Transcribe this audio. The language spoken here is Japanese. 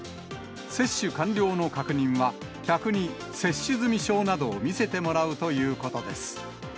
接種完了の確認は、客に接種済み証などを見せてもらうということです。